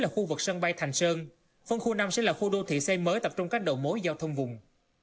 là khu vực sân bay thành sơn phân khu năm sẽ là khu đô thị xây mới tập trung các đầu mối giao thông vùng